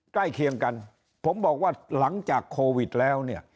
ใกล้เคียงกันผมบอกว่าหลังจากโควิดแล้วเนี่ย